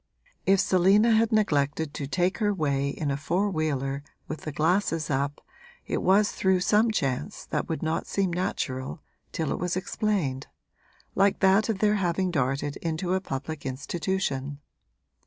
If Selina had neglected to take her way in a four wheeler with the glasses up it was through some chance that would not seem natural till it was explained, like that of their having darted into a public institution.